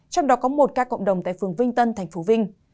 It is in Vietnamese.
trong đó có một ca cộng đồng tại phường vinh tân thành phố vinh